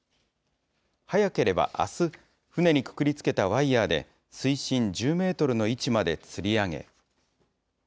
早ければあす、船にくくりつけたワイヤーで水深１０メートルの位置までつり上げ。